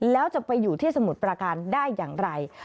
แล้วจะไปอยู่ที่สมุทรประการได้อย่างไร